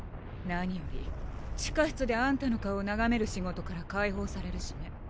何より地下室であんたの顔を眺める仕事から解放されるしね。